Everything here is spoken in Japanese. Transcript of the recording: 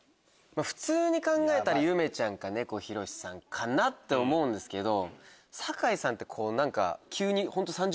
普通に考えたらゆめちゃんか猫ひろしさんって思うんですけど酒井さんって。